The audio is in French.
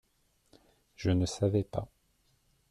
Je ne savais pas.